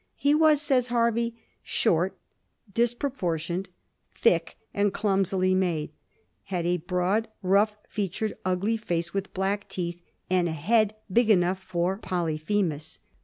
He was, says Hervey, short, disproportioned, thick, and clumsily made; had a broad, rough featured, ugly face, with black teeth, and a head big enough for a Polyphemus.